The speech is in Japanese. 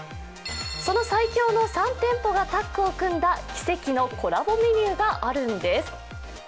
その最強の３店舗がタッグを組んだ奇跡のコラボメニューがあるんです。